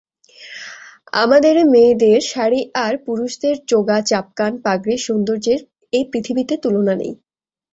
আমাদেরে মেয়েদের শাড়ী আর পুরুষদের চোগা-চাপকান-পাগড়ির সৌন্দর্যের এ পৃথিবীতে তুলনা নেই।